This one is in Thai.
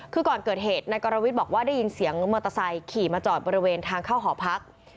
คือก่อนเกิดเหตุนายกรวิทย์บอกว่าได้ยินเสียงมอเตอร์ไซค์ขี่มาจอดบริเวณทางเข้าหอพัก